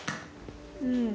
うん。